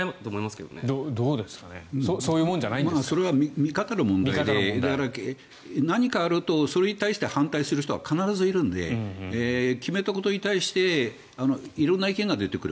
それは見方の問題で何かあるとそれに対して反対する人は必ずいるので決めたことに対して色んな意見が出てくる。